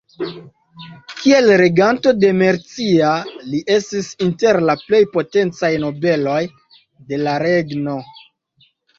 Kiel reganto de Mercia, li estis inter la plej potencaj nobeloj de la regno.